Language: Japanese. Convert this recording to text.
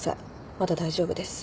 まだ大丈夫です。